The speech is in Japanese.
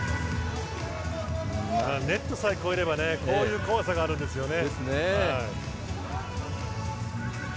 ネットさえ越えればこういう怖さがあるんですね。